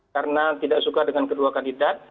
karena tidak suka dengan kedua kandidat